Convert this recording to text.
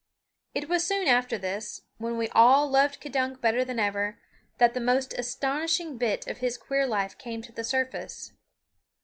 It was soon after this, when we all loved K'dunk better than ever, that the most astonishing bit of his queer life came to the surface.